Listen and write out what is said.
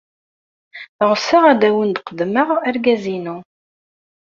Ɣseɣ ad awen-d-qeddmeɣ argaz-inu.